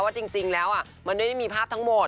จริงแล้วมันไม่ได้มีภาพทั้งหมด